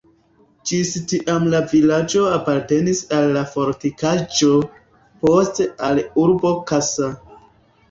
Ĝis tiam la vilaĝo apartenis al la fortikaĵo, poste al urbo Kassa.